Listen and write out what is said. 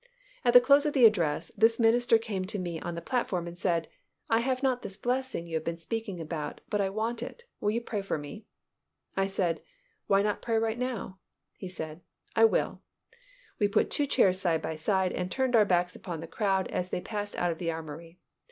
At the close of the address, this minister came to me on the platform and said, "I have not this blessing you have been speaking about, but I want it. Will you pray for me?" I said, "Why not pray right now?" He said, "I will." We put two chairs side by side and turned our backs upon the crowd as they passed out of the Armoury.